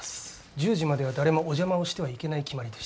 １０時までは誰もお邪魔をしてはいけない決まりでして。